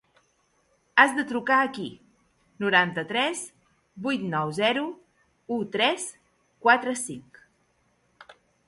Has de trucar aquí: noranta-tres vuit nou zero u tres quatre cinc.